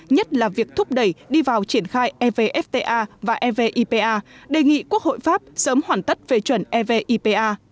nhất là việc thúc đẩy đi vào triển khai evfta và evipa đề nghị quốc hội pháp sớm hoàn tất về chuẩn evipa